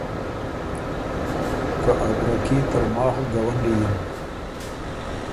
که ا برکي ترماخ ګونډی یِن۔